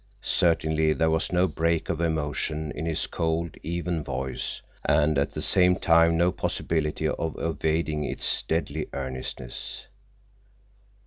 Certainly there was no break of emotion in his cold, even voice, and at the same time no possibility of evading its deadly earnestness.